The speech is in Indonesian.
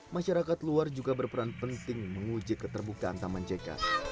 masyarakat luar juga berperan penting menguji keterbukaan taman jk